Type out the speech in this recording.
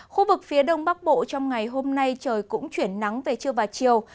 khu vực phía đông bắc bộ trong ngày hôm nay trời cũng chuyển nắng về trưa và chiều